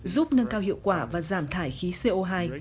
giúp nâng cao hiệu quả và giảm thải khí co hai